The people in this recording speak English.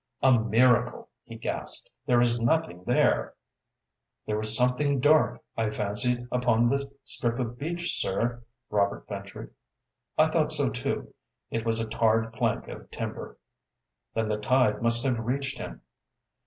"A miracle!" he gasped. "There is nothing there." "There was something dark, I fancied, upon the strip of beach, sir," Robert ventured. "I thought so too. It was a tarred plank of timber." "Then the tide must have reached him."